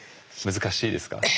難しいですね。